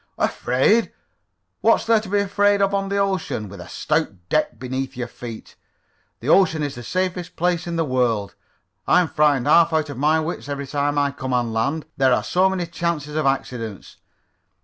"Afraid? What's there to be afraid of on the ocean, with a stout deck beneath your feet? The ocean is the safest place in the world. I'm frightened half out of my wits every time I come on land. There are so many chances of accidents.